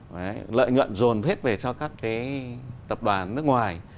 đấy lợi nhuận dồn hết về cho các cái tập đoàn nước ngoài